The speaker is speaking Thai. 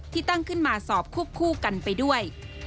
ที่ตั้งขึ้นมาสอบคู่กันไปด้วย